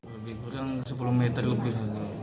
lebih kurang sepuluh meter lebih